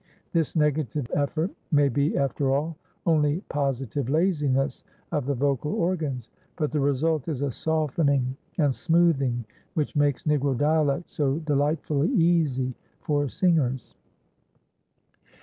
This negative effort may be after all only positive laziness of the vocal organs, but the result is a softening and smoothing which makes Negro dialect so delightfully easy for singers.